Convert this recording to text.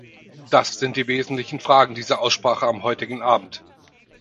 Das sind die wesentlichen Fragen dieser Aussprache am heutigen Abend.